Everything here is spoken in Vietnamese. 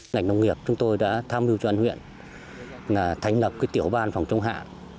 ngành nông nghiệp chúng tôi đã tham lưu cho an huyện là thành lập cái tiểu ban phòng trông hạ